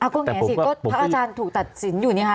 ก็แหงสิก็พระอาจารย์ถูกตัดสินอยู่นี่ค่ะ